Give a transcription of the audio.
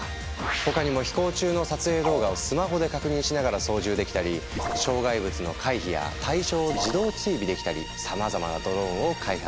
他にも飛行中の撮影動画をスマホで確認しながら操縦できたり障害物の回避や対象を自動追尾できたりさまざまなドローンを開発。